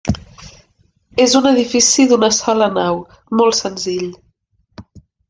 És un edifici d'una sola nau, molt senzill.